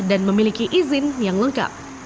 dan memiliki izin yang lengkap